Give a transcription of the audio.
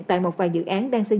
tại một vài dự án đang xây dựng